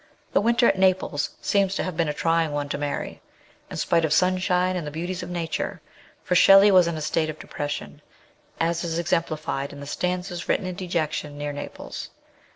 The winter at Naples seems to have been a trying one to Mary, in spite of sunshine and the beauties of Nature ; for Shelley was in a state of depression, as is exemplified in the " Stanzas written in dejection near Naples."